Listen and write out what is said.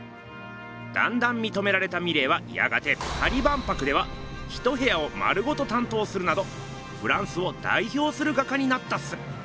だんだんみとめられたミレーはやがてパリ万博では一部屋を丸ごと担当するなどフランスをだいひょうする画家になったっす。